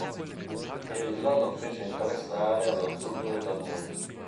Ella lo fece interessare allo studio del Talmud.